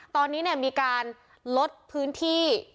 ตอนนี้มีการลดพื้นที่